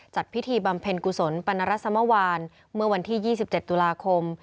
จัดพิธีบำเพ็ญกุศลปรณรสมวานเมื่อวันที่๒๗ตุลาคม